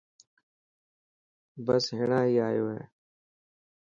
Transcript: بس هينڻا هي آيو هي.